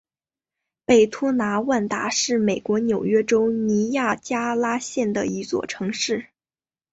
北托纳万达是美国纽约州尼亚加拉县的一座城市。